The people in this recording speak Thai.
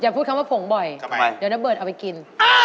พูดคำว่าผงบ่อยเดี๋ยวนะเบิร์ตเอาไปกิน